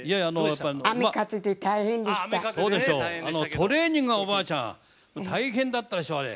トレーニングがおばあちゃん大変だったでしょうあれ。